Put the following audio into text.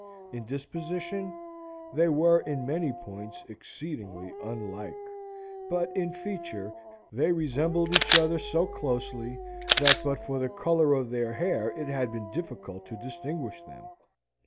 In disposition, they were in many points exceedingly unlike; but in feature they resembled each other so closely, that but for the colour of their hair it had been difficult to distinguish them.